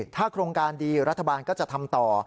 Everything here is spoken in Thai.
ถ้าโครงการดีรัฐบาลก็จะทำต่อ